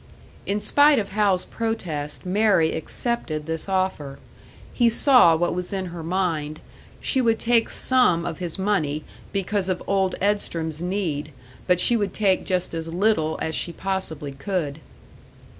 In spite of Hal's protest, Mary accepted this offer; he saw what was in her mind she would take some of his money, because of old Edstrom's need, but she would take just as little as she possibly could.